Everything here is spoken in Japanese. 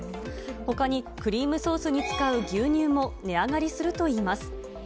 ほかにクリームソースに使う牛乳も値上がりするといいます。